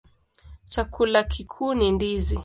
Chakula kikuu ni ndizi.